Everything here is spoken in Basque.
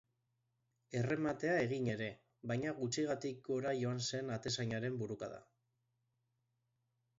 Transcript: Errematea egin ere, baina gutxigatik gora joan zen atezainaren burukada.